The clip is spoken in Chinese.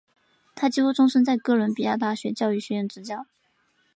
他几乎终生在哥伦比亚大学教育学院执教。